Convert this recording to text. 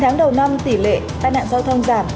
chín tháng đầu năm tỷ lệ tai nạn giao thông giảm